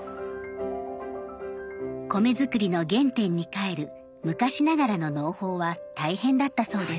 米作りの原点に返る昔ながらの農法は大変だったそうです。